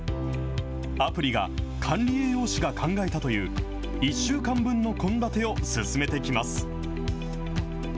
アプリが、管理栄養士が考えたという、１週間分の献立を勧めてきます。